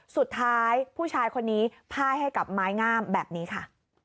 สุดท้ายผู้ชายคนนี้พ่ายให้กับไม้งามแบบนี้ค่ะ